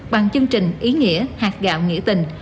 bằng chương trình ý nghĩa hạt gạo nghĩa tình